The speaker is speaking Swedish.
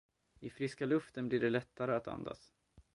I friska luften blir det lättare att andas.